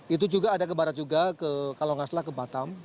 itu juga ada ke barat juga kalau nggak salah ke batam